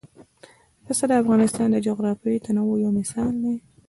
پسه د افغانستان د جغرافیوي تنوع یو مثال دی.